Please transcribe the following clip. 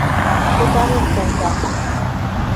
— Сотарен колта.